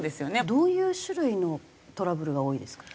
どういう種類のトラブルが多いですか？